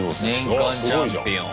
年間チャンピオン。